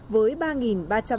với ba ba trăm năm mươi phần